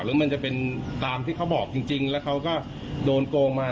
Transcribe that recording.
หรือมันจะเป็นตามที่เขาบอกจริงแล้วเขาก็โดนโกงมา